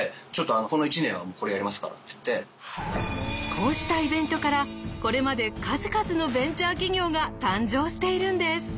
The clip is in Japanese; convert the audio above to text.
こうしたイベントからこれまで数々のベンチャー企業が誕生しているんです。